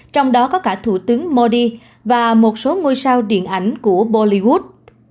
trong đó có cả thủ tướng modi và một số ngôi sao điện ảnh của bolivod